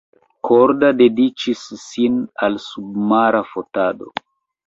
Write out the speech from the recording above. Korda dediĉis sin al submara fotado.